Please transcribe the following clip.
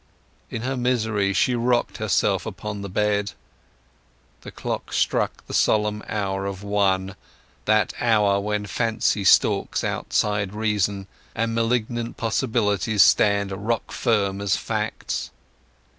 In her misery she rocked herself upon the bed. The clock struck the solemn hour of one, that hour when fancy stalks outside reason, and malignant possibilities stand rock firm as facts.